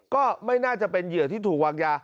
ก็ไม่น่าจะเป็นเหยื่อที่ถูกวางยา